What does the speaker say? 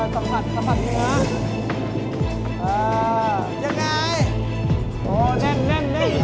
สัมผัสสัมผัสจริงนะ